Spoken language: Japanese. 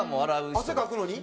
汗かくのに？